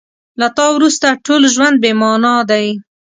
له تا وروسته ټول ژوند بې مانا دی.